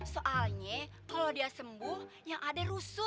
soalnya kalau dia sembuh yang ada rusuh